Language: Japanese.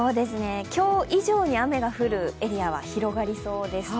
今日以上に雨が降るエリアは広がりそうです。